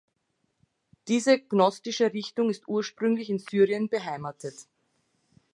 Diese gnostische Richtung ist ursprünglich in Syrien beheimatet.